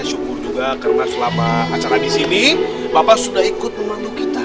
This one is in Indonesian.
rasa syukur juga karena selama acara disini bapak sudah ikut membantu kita